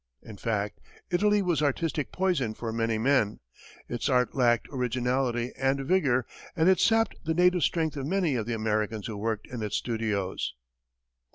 In fact, Italy was artistic poison for many men; its art lacked originality and vigor, and it sapped the native strength of many of the Americans who worked in its studios.